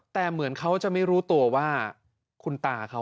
แต่เหมือนเขาจะไม่รู้ตัวว่าคุณตาเขา